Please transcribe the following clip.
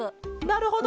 なるほど！